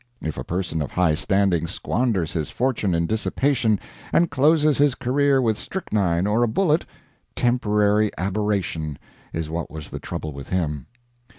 If a person of high standing squanders his fortune in dissipation, and closes his career with strychnine or a bullet, "Temporary Aberration" is what was the trouble with him.